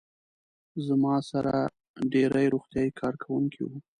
زما سره ډېری روغتیايي کارکوونکي وو.